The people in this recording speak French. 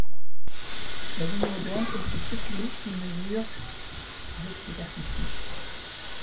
La ville moderne occupe toute l'île qui mesure de superficie.